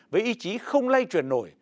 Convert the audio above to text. với ý chí không lây truyền nổi